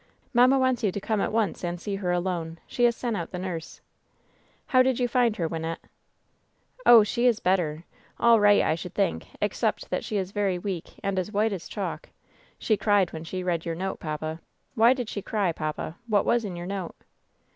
"Mamma wants you to come at once and see her alone. She has sent out the nurse." "How did you find her, Wynnette ?" "Oh, she is better. All right, I should think, except that she is very weak and as white as chalk. She cried when she read your note, papa. Why did she cry, papa ? What was in your note